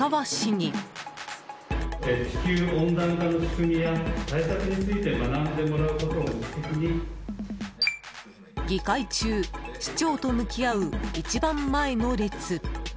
議会中、市長と向き合う一番前の列。